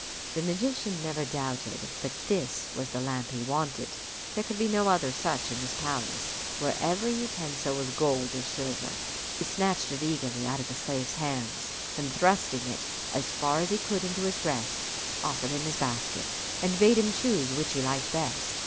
The magician never doubted but this was the lamp he wanted. There could be no other such in this palace, where every utensil was gold or silver. He snatched it eagerly out of the slave's hand, and thrusting it as far as he could into his breast, offered him his basket, and bade him choose which he liked best.